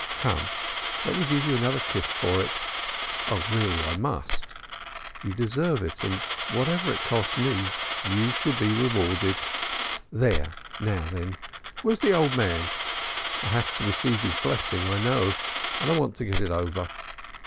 Come, let me give you another kiss for it Oh, I really must. You deserve it, and whatever it costs me you shall be rewarded. There! Now, then! Where's the old man? I have to receive his blessing, I know, and I want to get it over."